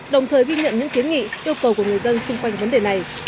đồng thời ghi nhận những kiến nghị yêu cầu của người dân xung quanh vấn đề này